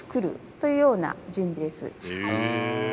へえ。